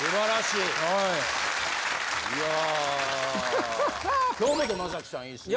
いや京本政樹さんいいですね。